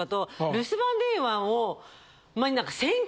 留守番電話。